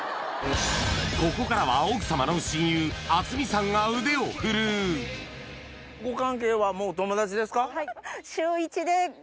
ここからは奥様の親友が腕を振るうご関係はもう友達ですか？